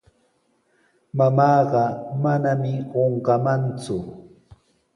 Mamaaqa manami qunqamanku.